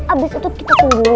abis itu kita tunggu